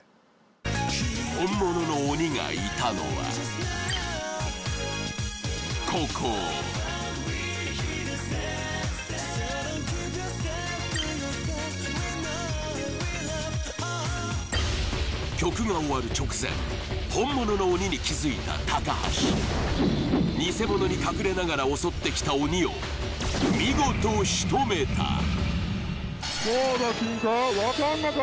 本物の鬼がいたのはここ曲が終わる直前本物の鬼に気づいた高橋ニセモノに隠れながら襲ってきた鬼を見事しとめたどうだしんか？